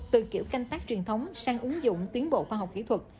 từ kiểu canh tác truyền thống sang ứng dụng tiến bộ khoa học kỹ thuật